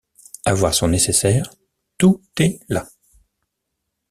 Avoir son nécessaire, tout est là.